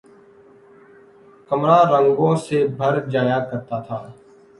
کمرا رنگوں سے بھر جایا کرتا تھا